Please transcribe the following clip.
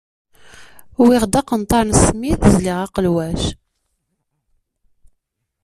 Wwiɣ-d aqenṭar n smid, zliɣ aqelwac.